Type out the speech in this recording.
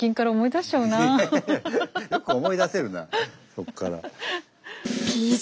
そこから。